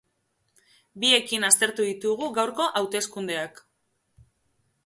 Biekin aztertu ditugu gaurko hauteskundeak.